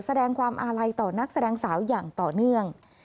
แสดงความอาลัยต่อนักแสดงสาวอย่างต่อเนื่อง